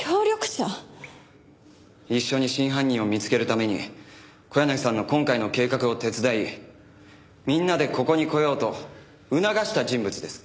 一緒に真犯人を見つけるために小柳さんの今回の計画を手伝いみんなでここに来ようと促した人物です。